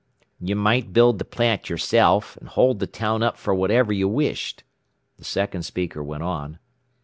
"You might build the plant yourself, and hold the town up for whatever you wished," the second speaker went on.